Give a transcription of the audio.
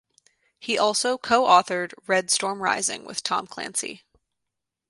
He also co-authored "Red Storm Rising" with Tom Clancy.